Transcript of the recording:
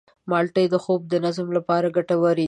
مالټې د خوب د نظم لپاره ګټورې دي.